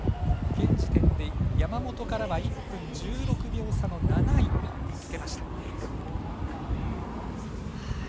現時点で山本からは１分１６秒差の７位につけました。